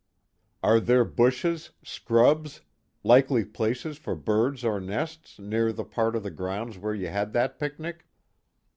"Are there bushes, scrubs, likely places for birds or nests, near the part of the grounds where you had that picnic?"